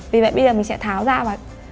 vì vậy bây giờ mình sẽ tháo dao vào